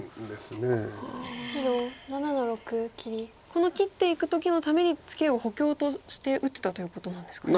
この切っていく時のためにツケを補強として打ってたということなんですかね。